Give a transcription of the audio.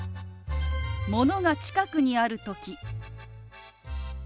ものが近くにある時。